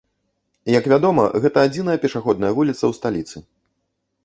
Як вядома, гэта адзіная пешаходная вуліца ў сталіцы.